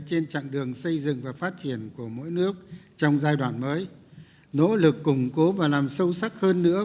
trên chặng đường xây dựng và phát triển của mỗi nước trong giai đoạn mới nỗ lực củng cố và làm sâu sắc hơn nữa